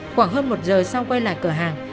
khoảng hơn một giờ sau quay lại cửa hàng